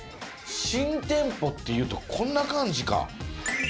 新店舗っていうとこんな感じか。